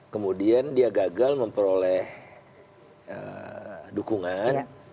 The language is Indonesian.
kemudian dia gagal memperoleh dukungan